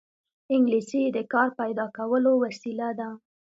انګلیسي د کار پیدا کولو وسیله ده